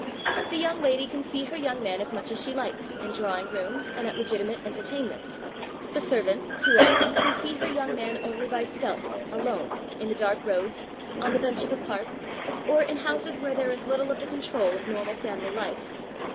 The young lady can see her young man as much as she likes, in drawing rooms and at legitimate entertainments; the servant, too often, can see her young man only by stealth, alone, in the dark roads, on the bench of a park, or in houses where there is little of the control of normal family life.